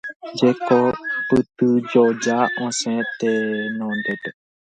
Jekopytyjoja osẽ tenonde.